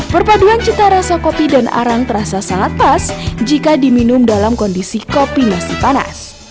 perpaduan cita rasa kopi dan arang terasa sangat pas jika diminum dalam kondisi kopi nasi panas